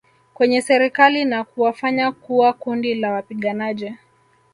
kwenye Serikali na kuwafanya kuwa kundi la wapiganaji